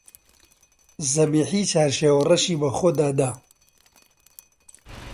زەبیحی چارشێوە ڕەشی بە خۆدا دا